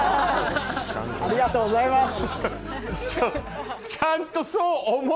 ありがとうございます。